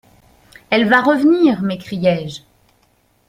«Elle va revenir !» m'écriai-je.